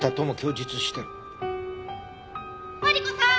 マリコさん！